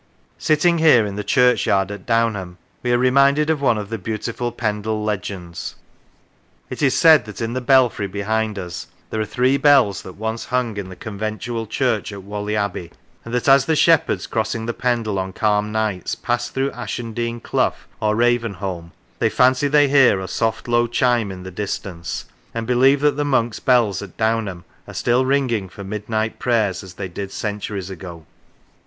Sitting here in the churchyard at Downham, we are reminded of one of the beautiful Pendle legends. It is said that in the belfry behind us there are three bells that once hung in the conventual church at Whalley Abbey, and that as the shepherds, crossing Pendle on calm nights, pass through Ashen Dean clough or Ravenholme, they fancy they hear a soft low chime in the distance, and believe that the monks' bells at Downham are still ringing for mid night prayers as they did centuries ago.